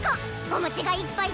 お餅がいっぱい。